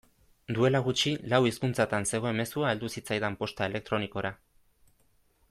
Duela gutxi lau hizkuntzatan zegoen mezua heldu zitzaidan posta elektronikora.